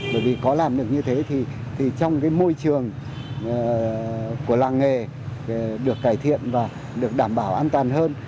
bởi vì có làm được như thế thì trong cái môi trường của làng nghề được cải thiện và được đảm bảo an toàn hơn